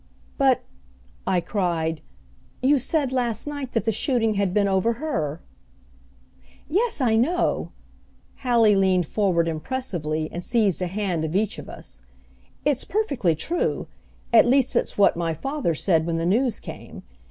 "But," I cried, "you said last night that the shooting had been over her." "Yes, I know!" Hallie leaned forward impressively and seized a hand of each of us. "It's perfectly true at least it's what my father said when the news came.